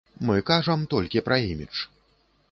Мы кажам толькі пра імідж.